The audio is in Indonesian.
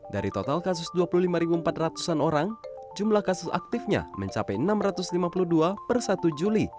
dari total kasus dua puluh lima empat ratus an orang jumlah kasus aktifnya mencapai enam ratus lima puluh dua per satu juli